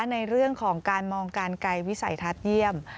ในเรื่องของการมองการไกลวิสัยทัศน์เยี่ยม